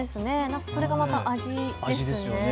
それがまた味ですね。